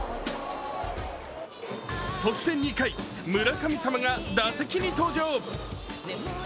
そして２回、村神様が打席に登場。